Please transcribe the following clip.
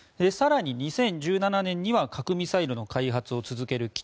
更に２０１７年には核・ミサイルの開発を続ける